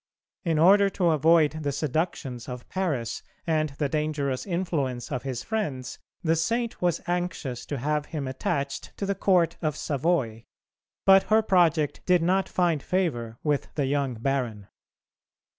In order to avoid the seductions of Paris and the dangerous influence of his friends, the Saint was anxious to have him attached to the Court of Savoy, but her project did not find favour with the young Baron.